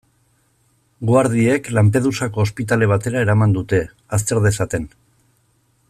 Guardiek Lampedusako ospitale batera eraman dute, azter dezaten.